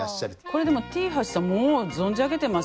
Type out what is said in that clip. これでもＴ橋さんもう存じ上げてますよ。